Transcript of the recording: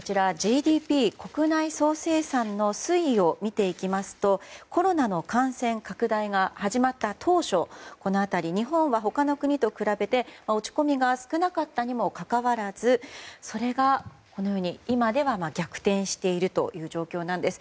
ＧＤＰ・国内総生産の推移を見ていきますとコロナの感染拡大が始まった当初日本は他の国と比べて落ち込みが少なかったにもかかわらずそれが、今では逆転しているという状況なんです。